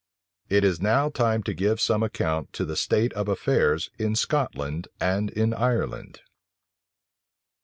It is now time to give some account of the state of affairs in Scotland and in Ireland.